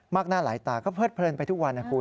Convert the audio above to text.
มักหน้าหลายตาคือเพิศเพลินไปทุกวันนะครู